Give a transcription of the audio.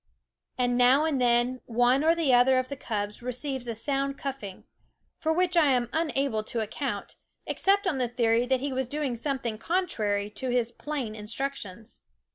And now and then one or the other of the cubs receives a sound cuffing; for which I am unable to account, except on the theory that he was doing some thing contrary to his plain instructions.